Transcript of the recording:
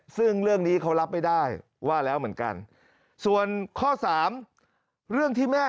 ซึ่งเรื่องนี้เขารับไม่ได้ว่าแล้วเหมือนกันส่วนข้อสามเรื่องที่แม่